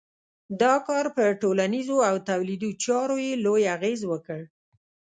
دا کار پر ټولنیزو او تولیدي چارو یې لوی اغېز وکړ.